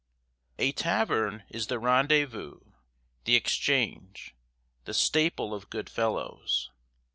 "A tavern is the rendezvous, the exchange, the staple of good fellows.